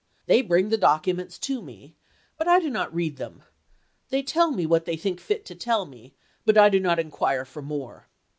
They bring the documents to me, but I do not read them ; they tell me what they think fit to tell me, but I do not inquire for more.